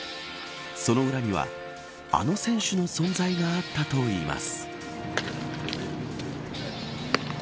その裏にはあの選手の存在があったといいます。